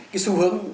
cái xu hướng